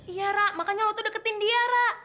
iya rah makanya lo tuh deketin dia rah